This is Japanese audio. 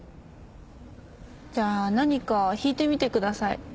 じゃあ何か弾いてみてください。